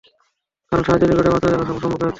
কারণ সাহায্য নিকটে এবং আশ্চর্যজনক সংবাদ সম্মুখে আসছে।